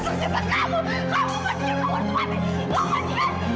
kamu benci kamu harus mati kamu benci